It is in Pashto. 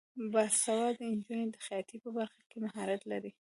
باسواده نجونې د خیاطۍ په برخه کې مهارت لري.